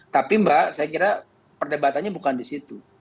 tapi mbak saya kira perdebatannya bukan di situ